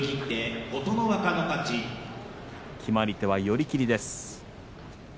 決まり手は寄り切りです。